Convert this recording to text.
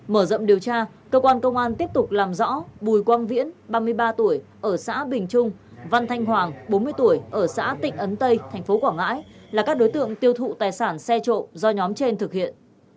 mở rộng điều tra cơ quan công an tiếp tục làm rõ bùi quang viễn ba mươi ba tuổi ở xã bình trung văn thanh hoàng bốn mươi tuổi ở xã tịnh ấn tây tp quảng ngãi là các đối tượng tiêu thụ tài sản xe trộm do nhóm trên thực hiện